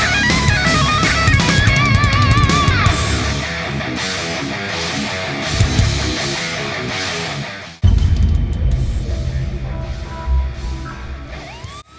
สุดท้ายสุดท้ายสุดท้ายสุดท้ายสุดท้ายสุดท้ายสุดท้ายสุดท้าย